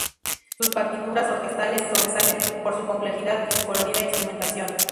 Sus partituras orquestales sobresalen por su complejidad y su colorida instrumentación.